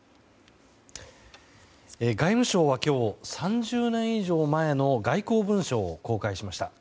外務省は今日、３０年以上前の外交文書を公開しました。